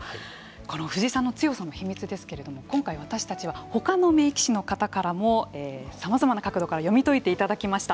この藤井さんの強さの秘密ですけれども今回、私たちは他の名棋士の方からもさまざまな角度から読み解いていただきました。